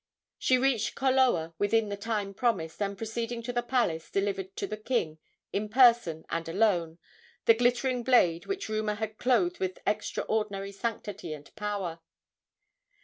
She reached Koloa within the time promised, and, proceeding to the palace, delivered to the king, in person and alone, the glittering blade which rumor had clothed with extraordinary sanctity and power.